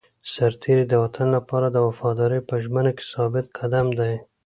سرتېری د وطن لپاره د وفادارۍ په ژمنه کې ثابت قدم دی.